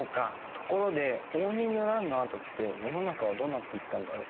ところで応仁の乱のあとって世の中はどうなっていったんだろう。